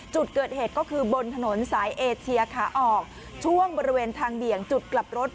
จุดเกิดเหตุก็คือบนถนนสายเอเชียขาออกช่วงบริเวณทางเบี่ยงจุดกลับรถ